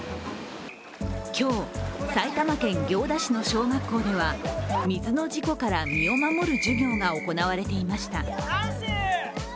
今日、埼玉県行田市の小学校では水の事故から身を守る授業が行われていました。